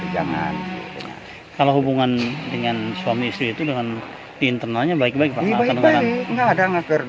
jangan kalau hubungan dengan suami istri itu dengan internanya baik baik banget enggak ada